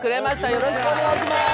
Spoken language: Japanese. よろしくお願いします。